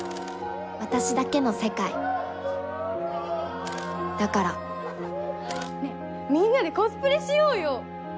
私だけの世界だからねっみんなでコスプレしようよ！